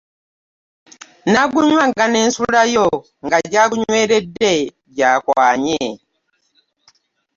Nagunnywa nga nensulayo nga gyagunyweredde gy'akwanye .